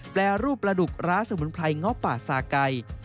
แปรรูปประดุกร้าสมุนไพรง็อปปะทราไกด์